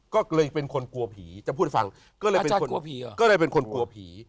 ก็เลยเป็นคนกลัวผี